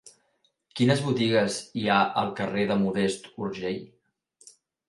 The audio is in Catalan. Quines botigues hi ha al carrer de Modest Urgell?